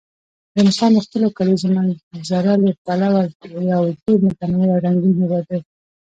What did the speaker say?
افغانستان د خپلو کلیزو منظره له پلوه یو ډېر متنوع او رنګین هېواد دی.